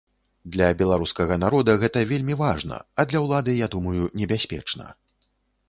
Для беларускага народа гэта вельмі важна, а для ўлады, я думаю, небяспечна.